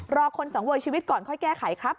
รอคนสังเวยชีวิตก่อนค่อยแก้ไขครับ